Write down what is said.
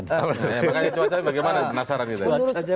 bagaimana cuacanya penasaran gitu ya